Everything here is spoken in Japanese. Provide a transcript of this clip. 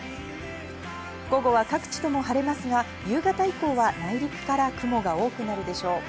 午後は各地とも晴れますが、夕方以降は内陸から雲が多くなるでしょう。